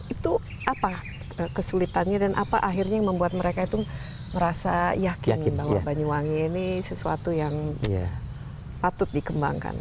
itu apa kesulitannya dan apa akhirnya yang membuat mereka itu merasa yakin bahwa banyuwangi ini sesuatu yang patut dikembangkan